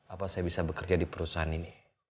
apa saya bisa bekerja di perusahaan ini